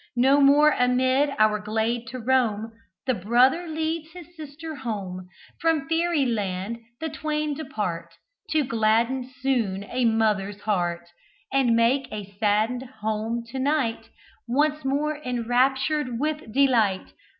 No more amid our glade to roam The brother leads his sister home. From Fairy land the twain depart, To gladden soon a mother's heart, And make a saddened home, to night, Once more enraptured with delight.